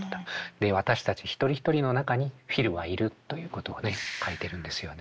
私たち一人一人の中にフィルはいる」ということをね書いてるんですよね。